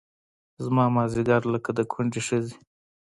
زما مازدیګر لکه د کونډې ښځې